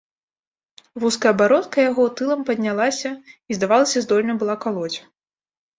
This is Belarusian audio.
Вузкая бародка яго тылам паднялася і, здавалася, здольна была калоць.